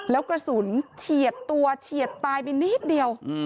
แล้วกระสุนเฉียดตัวเฉียดตายไปนิดเดียว